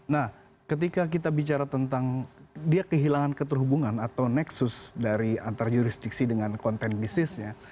nah ketika kita bicara tentang dia kehilangan keterhubungan atau neksus dari antar jurisdiksi dengan konten bisnisnya